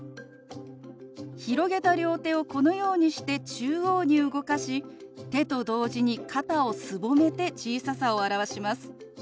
広げた両手をこのようにして中央に動かし手と同時に肩をすぼめて小ささを表します。